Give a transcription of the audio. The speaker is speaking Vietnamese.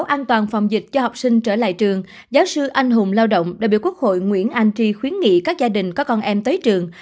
để đảm bảo an toàn phòng dịch cho học sinh trở lại trường giáo sư anh hùng lao động đại biểu quốc hội nguyễn anh trí khuyến nghị các gia đình có con em tới trường